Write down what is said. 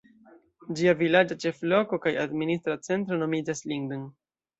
Ĝia vilaĝa ĉefloko kaj administra centro nomiĝas Linden.